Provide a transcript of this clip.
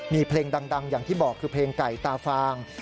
มีเพลงดังอย่างที่บอกคือเพลงไก่ตาฟาง